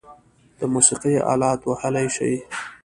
د موسیقۍ آلات وهلی شئ؟